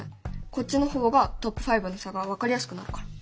こっちの方がトップ５の差が分かりやすくなるから。